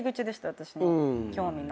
私の興味の。